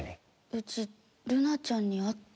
うちルナちゃんに会った。